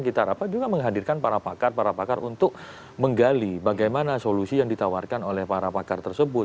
kita rapat juga menghadirkan para pakar para pakar untuk menggali bagaimana solusi yang ditawarkan oleh para pakar tersebut